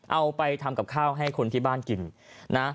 เอาไปทำกับข้าวให้คนที่บ้านกินนะ